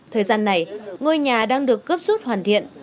thời gian này ngôi nhà đang được cấp rút hoàn thiện